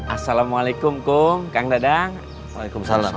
assalamualaikum kang dadang waalaikumsalam